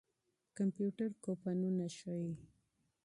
کمپيوټر کوپنونه ښيي.